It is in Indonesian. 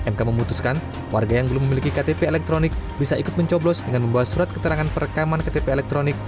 mk memutuskan warga yang belum memiliki ktp elektronik bisa ikut mencoblos dengan membawa surat keterangan perekaman ktp elektronik